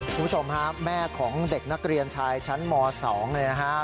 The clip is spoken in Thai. คุณผู้ชมครับแม่ของเด็กนักเรียนชายชั้นม๒เนี่ยนะฮะ